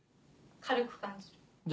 軽く感じる。